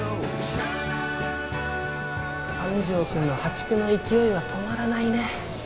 上條くんの破竹の勢いは止まらないね。